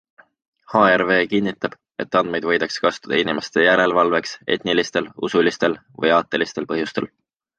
HRW kinnitab, et andmeid võidakse kasutada inimeste järelvalveks etnilistel, usulistel või aatelistel põhjustel.